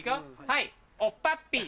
はいおっぱっぴー。